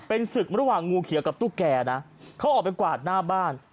เป็นศึกระหว่างงูเขียวกับตุ๊กแก่นะเขาออกไปกวาดหน้าบ้าน